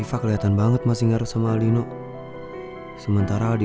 aku butuh kamu saat ini